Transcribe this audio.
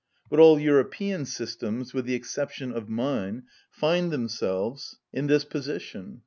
But all European systems, with the exception of mine, find themselves in this position.